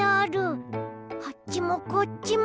あっちもこっちも。